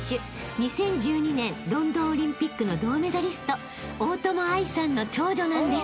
２０１２年ロンドンオリンピックの銅メダリスト大友愛さんの長女なんです］